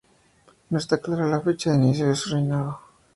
No está clara la fecha de inicio de su reinado.